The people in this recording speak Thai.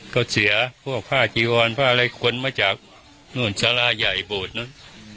ก็เสียพ่อพ่อจีวรพ่ออะไรคนมาจากสาระใหญ่โบสถ์นั้น